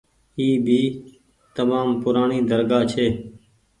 او ڀي تمآم پورآڻي درگآه ڇي۔